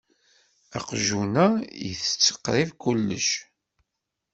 Aqjun-a itett qrib kullec.